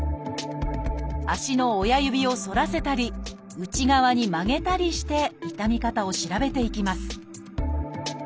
足の親指を反らせたり内側に曲げたりして痛み方を調べていきます。